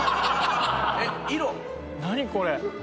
何これ！